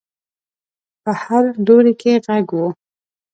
په هر لوري کې غږ و.